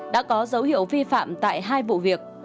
đã có dấu hiệu vi phạm tại hai vụ việc